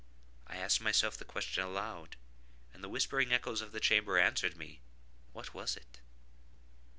I asked myself the question aloud, and the whispering echoes of the chamber answered me,—"What was it?"